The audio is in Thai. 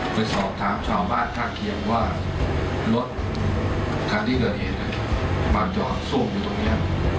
ไปสอบถามชาวบ้านท่านเคียงว่ารถที่คุณเห็นมันจะส้มอยู่ตรงนี้